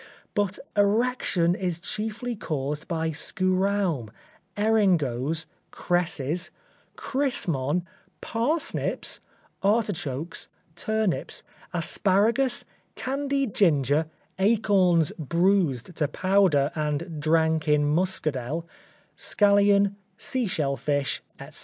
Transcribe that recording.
But erection is chiefly caused by scuraum, eringoes, cresses, crysmon, parsnips, artichokes, turnips, asparagus, candied ginger, acorns bruised to powder and drank in muscadel, scallion, sea shell fish, etc.